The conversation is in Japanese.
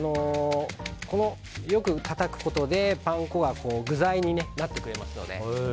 よくたたくことで、パン粉が具材になってくれますので。